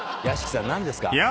屋敷さん何ですか？